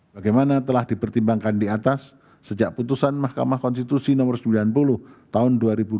bagaimana telah dipertimbangkan di atas sejak putusan mahkamah konstitusi nomor sembilan puluh tahun dua ribu dua puluh